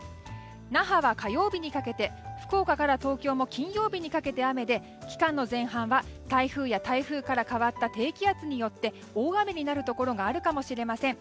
那覇は火曜日にかけて福岡から東京も金曜日にかけて雨で期間の前半は台風や台風から変わった低気圧によって大雨になるところがあるかもしれません。